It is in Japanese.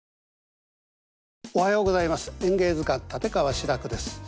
おはようございます。